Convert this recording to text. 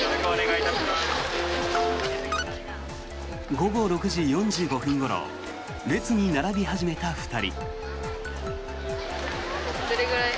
午後６時４５分ごろ列に並び始めた２人。